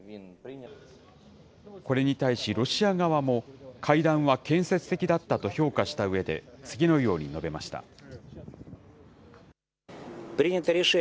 これに対し、ロシア側も会談は建設的だったと評価したうえで、次のように述べました。